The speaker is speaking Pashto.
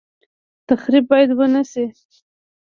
تخریب باید ونشي